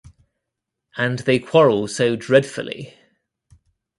And they quarrel so dreadfully!